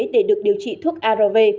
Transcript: để được điều trị thuốc arv